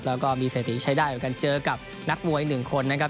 แล้วก็มีเศรษฐีใช้ได้เหมือนกันเจอกับนักมวยหนึ่งคนนะครับ